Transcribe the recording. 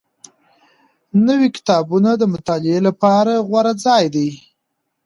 نوی کتابتون د مطالعې لپاره غوره ځای دی